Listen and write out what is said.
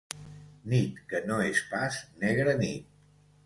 Nit que no és pas negra nit.